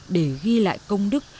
để ghi lại công đức